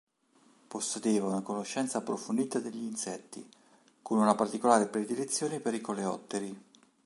Possedeva una conoscenza approfondita degli insetti, con una particolare predilezione per i coleotteri.